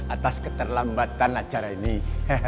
atas keterlambatan acaranya